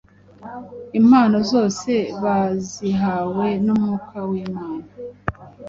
Impano zose ba zihawe numwuka w’Imana,